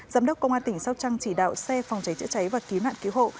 giám đốc công an tỉnh sóc trăng chỉ đạo xe phòng cháy chữa cháy và cứu nạn cứu hộ